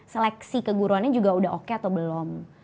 seleksi keguruannya juga udah oke atau belum